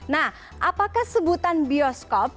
nah apakah sebutan bioskop